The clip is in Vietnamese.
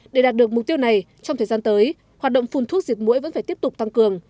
để đạt được mục tiêu này trong thời gian tới hoạt động phun thuốc diệt mũi vẫn phải tiếp tục tăng cường